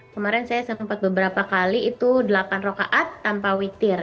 kemarin saya sempat beberapa kali itu delapan rokaat tanpa witir